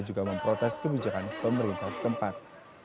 juga memprotes kebijakan pemerintah setempat